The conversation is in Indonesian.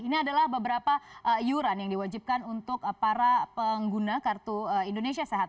ini adalah beberapa iuran yang diwajibkan untuk para pengguna kartu indonesia sehat